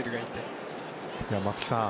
松木さん